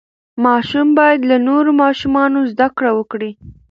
ماشوم باید له نورو ماشومانو زده کړه وکړي.